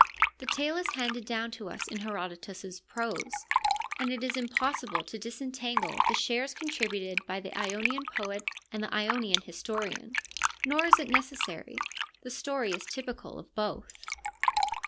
The tale is handed down to us in Herodotus' prose, and it is impossible to disentangle THE LYRIC POETS 33 the shares contributed by the Ionian poet and the Ionian historian ; nor is it necessary ; the story is typical of both.